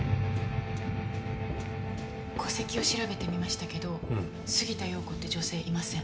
戸籍を調べてみましたけど杉田陽子って女性いません。